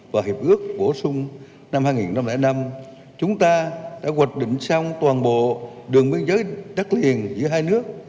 và hiệp ước bổ sung năm hai nghìn năm chúng ta đã hoạch định xong toàn bộ đường biên giới đất liền giữa hai nước